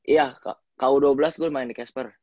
iya ku dua belas gue main di casper